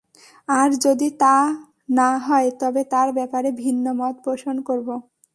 আর যদি তা না হয় তবে তার ব্যাপারে ভিন্ন মত পোষণ করব।